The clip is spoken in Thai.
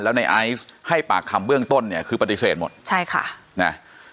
แล้วในไอซ์ให้ปากคำเบื้องต้นเนี่ยคือปฏิเสธหมดใช่ค่ะนะ